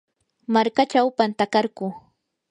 markachaw pantakarquu.